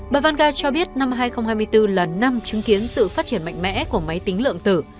bà vanguar cho biết năm hai nghìn hai mươi bốn là năm chứng kiến sự phát triển mạnh mẽ của máy tính lượng tử